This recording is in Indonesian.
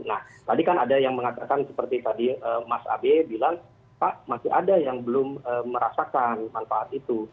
nah tadi kan ada yang mengatakan seperti tadi mas abe bilang pak masih ada yang belum merasakan manfaat itu